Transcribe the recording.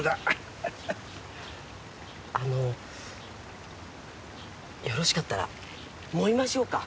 あのよろしかったらもみましょうか？